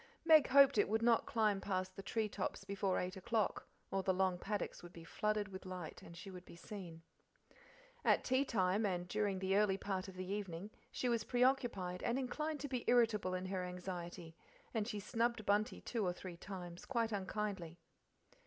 Meg hoped it would not climb past the tree tops before eight o'clock, or the long paddocks would be flooded with light and she would be seen. At tea time, and during the early part of the evening, she was preoccupied and inclined to be irritable in her anxiety, and she snubbed Bunty two or three times quite unkindly.